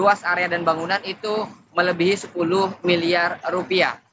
luas area dan bangunan itu melebihi sepuluh miliar rupiah